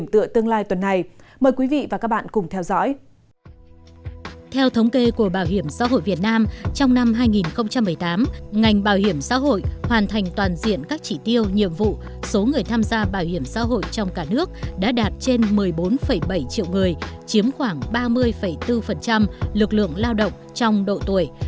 số người tham gia bảo hiểm xã hội trong cả nước đã đạt trên một mươi bốn bảy triệu người chiếm khoảng ba mươi bốn lực lượng lao động trong độ tuổi